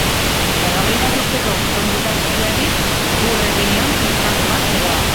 Berrogei bat urteko gizon bizarzuriari gur egin nion istant bat geroago.